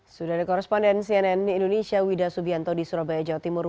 sudah ada koresponden cnn indonesia wida subianto di surabaya jawa timur